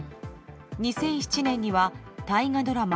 ２００７年には大河ドラマ